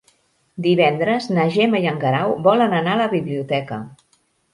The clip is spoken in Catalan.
Divendres na Gemma i en Guerau volen anar a la biblioteca.